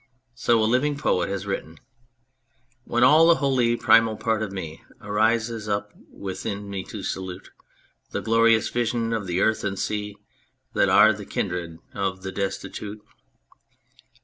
So a living poet has written When all the holy primal part of me Arises up within me to salute The glorious vision of the earth and sea That are the kindred of the destitute